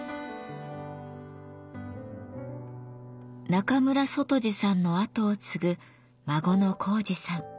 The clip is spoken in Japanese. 中村外二さんの後を継ぐ孫の公治さん。